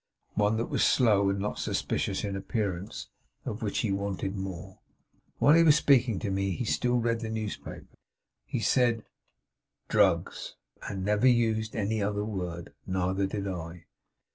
One that was slow and not suspicious in appearance; of which he wanted more. While he was speaking to me he still read the newspaper. He said "Drugs," and never used any other word. Neither did I.